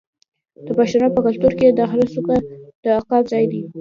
د پښتنو په کلتور کې د غره څوکه د عقاب ځای دی.